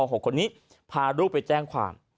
๖คนนี้พาลูกไปแจ้งความ